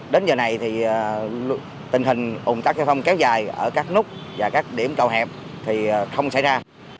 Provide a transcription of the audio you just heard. đến giờ này thì tình hình ồn tắc giao thông kéo dài ở các nút và các điểm cầu hẹp thì không xảy ra